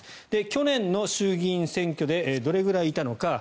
去年の衆議院選挙でどれくらいいたのか。